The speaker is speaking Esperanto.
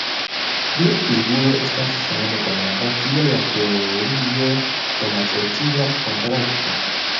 Lia figuro estas same grava kiel la teorio de la socia kontrakto.